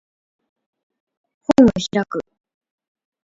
本を開く